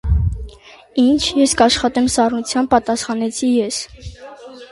- Ի՜նչ, ես կաշխատեմ,- սառնությամբ պատասխանեցի ես: